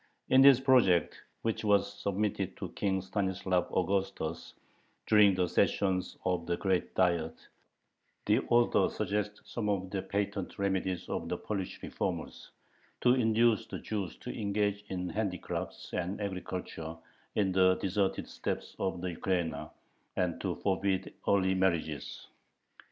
In this project, which was submitted to King Stanislav Augustus during the sessions of the Great Diet, the author suggests some of the patent remedies of the Polish reformers: to induce the Jews to engage in handicrafts and agriculture "in the deserted steppes of the Ukraina" and to forbid early marriages.